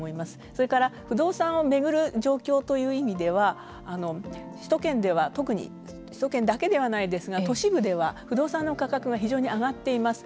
それから、不動産をめぐる状況という意味では首都圏だけではないですが都市部では不動産の価格が非常に上がっています。